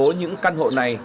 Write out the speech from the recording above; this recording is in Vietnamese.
đa số những căn hộ này